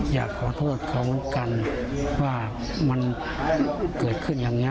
อยากขอโทษเขาแล้วกันว่ามันเกิดขึ้นอย่างนี้